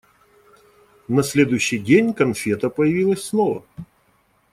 На следующий день конфета появилась снова.